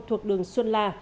thuộc đường xuân la